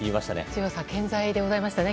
強さ健在でございましたね。